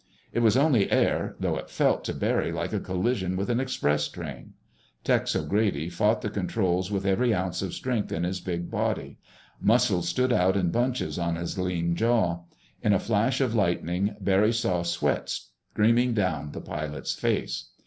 It was only air, though it felt to Barry like a collision with an express train. Tex O'Grady fought the controls with every ounce of strength in his big body. Muscles stood out in bunches on his lean jaw. In a flash of lightning Barry saw sweat streaming down the pilot's face.